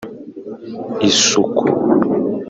Isuku